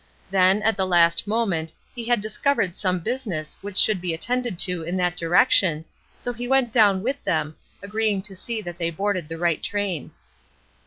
Then, at the last moment, he had discovered some business which should be attended to in that direction, so he went down "THE SAME PERSON" 409 with them, agreeing to see that they boarded the right train.